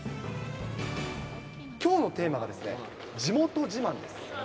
きょうのテーマがですね、地元自慢です。